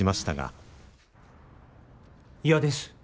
嫌です。